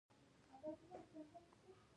ما ځواب ورکړ چې د ماښام له طرفه عقیده لرم.